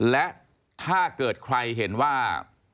และถ้าเกิดใครเห็นว่า